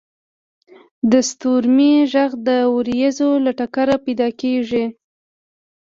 • د ستورمې ږغ د ورېځو له ټکره پیدا کېږي.